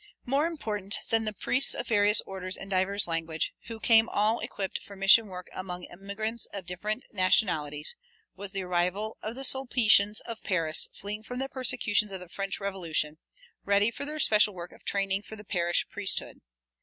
More important than the priests of various orders and divers languages, who came all equipped for mission work among immigrants of different nationalities, was the arrival of the Sulpitians of Paris, fleeing from the persecutions of the French Revolution, ready for their special work of training for the parish priesthood.